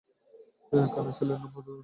কানা ছেলের নাম পদ্মলোচন।